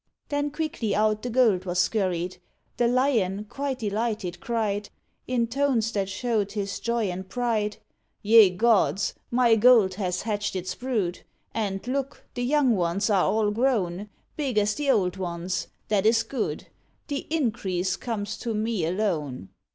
Then quickly out the gold was scurried. The Lion, quite delighted, cried, In tones that showed his joy and pride, "Ye gods! my gold has hatched its brood; And, look! the young ones are all grown Big as the old ones; that is good: The increase comes to me alone."